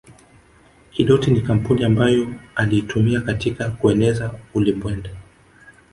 Kidoti ni kampuni ambayo aliitumia katika kueneza ulimbwende